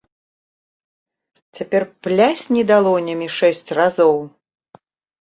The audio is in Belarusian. Цяпер плясні далонямі шэсць разоў.